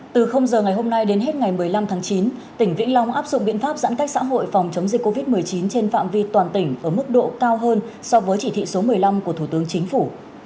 từ giờ ngày hôm nay đến hết ngày một mươi năm tháng chín tỉnh vĩnh long áp dụng biện pháp giãn cách xã hội phòng chống dịch covid một mươi chín trên phạm vi toàn tỉnh ở mức độ cao hơn so với chỉ thị số một mươi năm của thủ tướng chính phủ